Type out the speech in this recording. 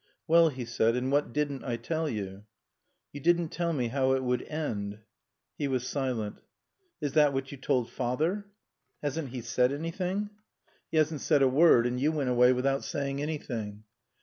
"Well," he said, "and what didn't I tell you?" "You didn't tell me how it would end." He was silent. "Is that what you told father?" "Hasn't he said anything?" "He hasn't said a word. And you went away without saying anything."